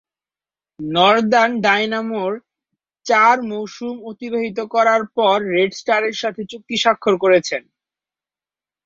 Northern ডায়নামোয় চার মৌসুম অতিবাহিত করার পর রেড স্টারের সাথে চুক্তি স্বাক্ষর করেছেন।